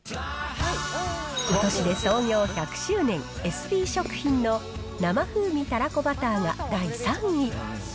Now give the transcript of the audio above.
ことしで創業１００周年、エスビー食品の生風味たらこバターが第３位に。